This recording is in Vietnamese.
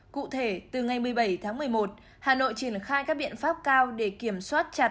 cụ thể từ ngày một mươi bảy tháng một mươi một hà nội triển khai các biện pháp cao để kiểm soát chặt